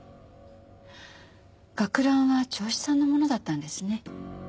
学ランは銚子さんのものだったんですね。